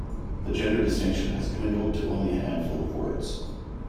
The gender distinction has dwindled to only a handful of words.